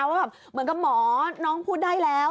ว่าแบบเหมือนกับหมอน้องพูดได้แล้ว